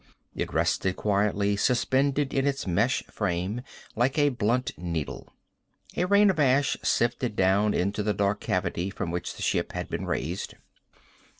It rested quietly, suspended in its mesh frame, like a blunt needle. A rain of ash sifted down into the dark cavity from which the ship had been raised.